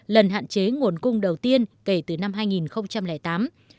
lần hạn chế nguồn cung đầu tiên kể từ năm hai nghìn tám